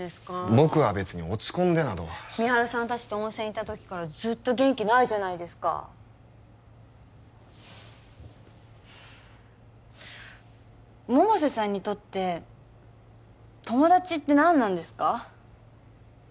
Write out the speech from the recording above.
僕は別に落ち込んでなど美晴さん達と温泉行った時からずっと元気ないじゃないですか百瀬さんにとって友達って何なんですか？